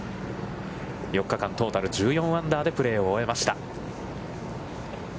４日間トータル１４アンダーでプレーを終えました。